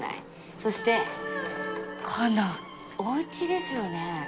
そして、このおうちですよね。